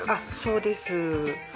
そうです。